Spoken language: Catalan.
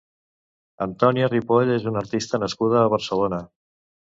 Antònia Ripoll és una artista nascuda a Barcelona.